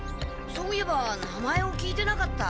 そういえば名前を聞いてなかった！